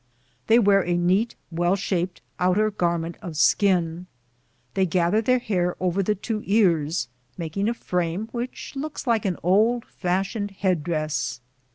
They wear a neat well shaped outer garment of skin. They gather their hair over the two ears, making a frame which looks like an old fashioned headdress.'